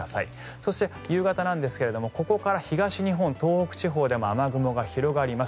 そして夕方なんですがここから東日本、東北地方でも雨雲が広がります。